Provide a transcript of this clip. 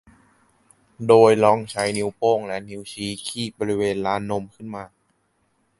โดยลองใช้นิ้วโป้งและนิ้วชี้คีบบริเวณลานนมขึ้นมา